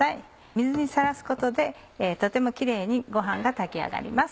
水にさらすことでとてもキレイにご飯が炊き上がります。